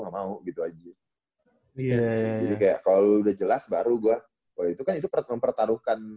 oh itu kan itu mempertaruhkan iya iya jadi kayak kalau udah jelas baru gue oh itu kan itu mempertaruhkan